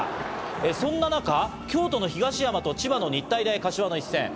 そんな中、京都の東山と千葉の日体大柏の一戦。